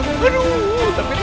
semoga belum oke dulu